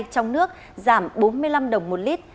trong nước giảm bốn mươi năm đồng một lít